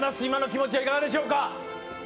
今の気持ちはいかがでしょうか？